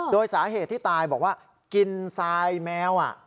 โดยสาเหตุที่ตายบอกว่ากินทรายแมว